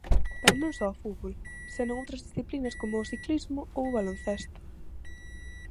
Pero non só o fútbol, senón outras disciplinas como o ciclismo ou o baloncesto.